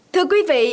thưa quý vị